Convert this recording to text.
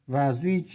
và duy trì ở mức thấp